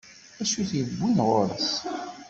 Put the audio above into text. D acu i t-iwwin ɣur-s?